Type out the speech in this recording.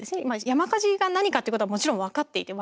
山火事が何かってことはもちろん分かっていて